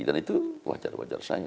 dan itu wajar wajar saja